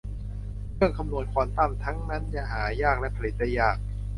เครื่องคำนวณควอนตัมทั้งนั้นหายากและผลิตได้ยาก